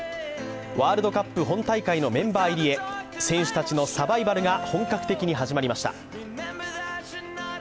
ワールドカップ本大会のメンバー入りへ、選手たちのサバイバルが本格的に始まりました。